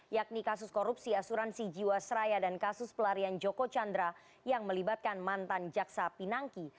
yakni kasus korupsi asuransi jiwasraya dan kasus pelarian joko chandra yang melibatkan mantan jaksa pinangki